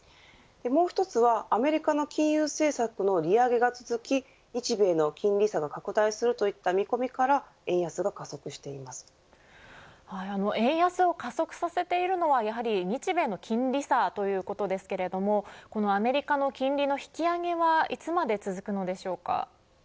もう１つはアメリカの金融政策の利上げが続き日米の金利差が拡大するといった見込みから円安を加速させているのはやはり日米の金利差ということですがアメリカの金利の引き上げはいつまで続くのでしょうか。